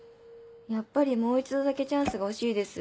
「やっぱりもう一度だけチャンスが欲しいです。